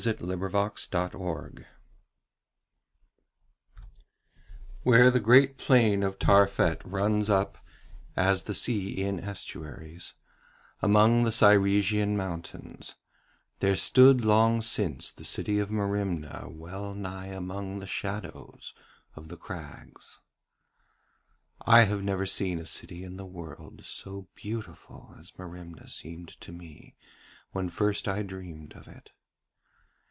The Sword of Welleran Where the great plain of Tarphet runs up, as the sea in estuaries, among the Cyresian mountains, there stood long since the city of Merimna well nigh among the shadows of the crags. I have never seen a city in the world so beautiful as Merimna seemed to me when first I dreamed of it.